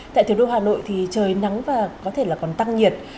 tại thủ đô hà nội thì trời nắng và có thể là còn tăng nhiệt